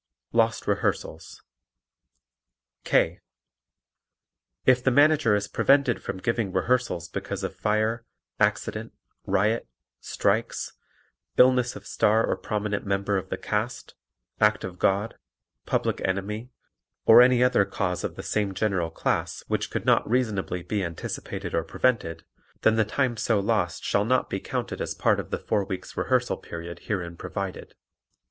Lost Rehearsals K. If the Manager is prevented from giving rehearsals because of fire, accident, riot, strikes, illness of star or prominent member of the cast, act of God, public enemy or any other cause of the same general class which could not reasonably be anticipated or prevented, then the time so lost shall not be counted as part of the four weeks' rehearsal period herein provided.